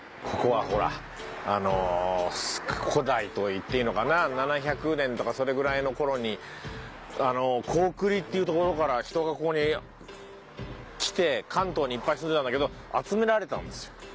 ここはほら古代といっていいのかな７００年とかそれぐらいの頃にあの高句麗っていうところから人がここに来て関東にいっぱい住んでたんだけど集められたんですよ。